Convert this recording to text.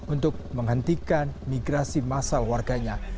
untuk menghentikan migrasi masal warganya